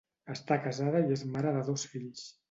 Està casada i és mare de dos fills.